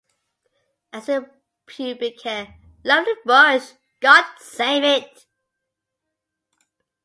As to the pubic hair: Lovely bush, God save it.